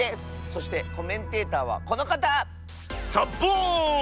そしてコメンテーターはこのかた。サッボーン！